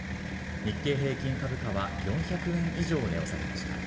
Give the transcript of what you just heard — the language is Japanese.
日経平均株価は４００円以上値を下げました。